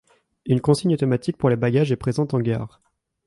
Une consigne automatique pour les bagages est présente en gare.